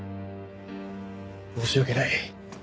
申し訳ない。